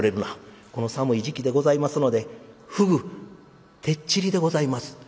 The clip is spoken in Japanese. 「この寒い時期でございますのでふぐてっちりでございます」。